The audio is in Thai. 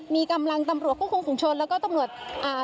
มีกำลังตำรวจควบคุมฝุงชนแล้วก็ตำรวจอ่า